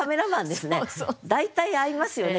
大体会いますよね